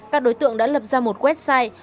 các đối tượng đã lập ra một website